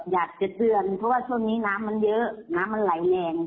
อยากจะเตือนเพราะว่าช่วงนี้น้ำมันเยอะน้ำมันไหลแรง